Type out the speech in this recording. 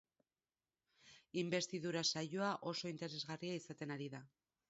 Inbestidura saioa oso interesgarria izaten ari da.